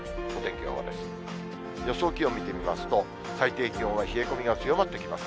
予想気温見てみますと、最低気温は冷え込みが強まってきます。